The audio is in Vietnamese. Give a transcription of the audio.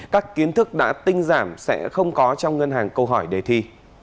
các kiến thức đã tinh giảm sẽ không có trong ngân hàng câu hỏi đề thi